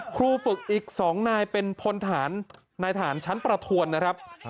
ครูฝึกอีก๒นายเป็นพลฐานนายฐานชั้นประทวนนะครับ